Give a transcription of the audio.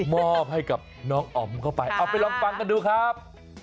มอบให้กับน้องอ๋อมเข้าไปเอาไปลองฟังกันดูครับ